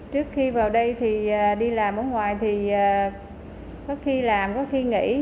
trước khi vào đây thì đi làm ở ngoài thì có khi làm có khi nghỉ